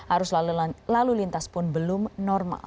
arus lalu lintas pun belum normal